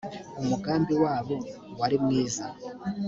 umugambi wabo wari mwiza